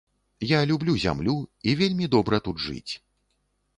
Я люблю зямлю, і вельмі добра тут жыць.